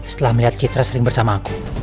setelah melihat citra sering bersama aku